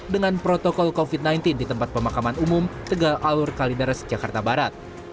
dengan protokol covid sembilan belas di tempat pemakaman umum tegal alur kalideres jakarta barat